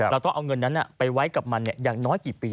เราต้องเอาเงินนั้นไปไว้กับมันอย่างน้อยกี่ปี